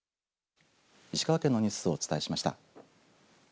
石川県のニュースをお伝えしました。